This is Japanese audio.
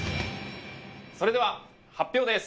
それでは発表です。